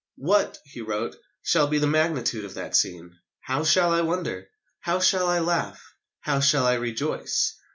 "What," he wrote, "shall be the magnitude of that scene? How shall I wonder? How shall I laugh? How shall I rejoice?